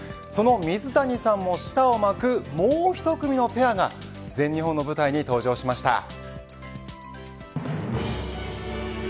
その水谷さんも舌を巻くもうひと組のペアが全日本の舞台に登場しました。